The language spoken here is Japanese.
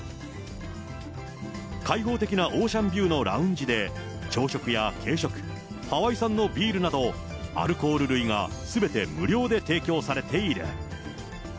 開放的なオーシャンビューのラウンジで、朝食や軽食、ハワイ産のビールなど、アルコール類がすべて無料で提供されている。